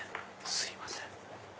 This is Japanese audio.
すいません